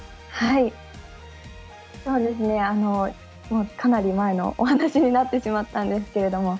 そうですね、かなり前のお話になってしまったんですが。